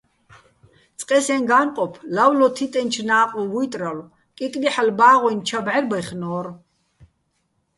წყე სეჼ გა́ნყოფ ლავლო თიტენჩო̆ ნა́ყვ ვუჲტრალო̆, კიკლიჰ̦ალო̆ ბა́ღუჲნი̆ ჩა ბჵარბაჲხნო́რ.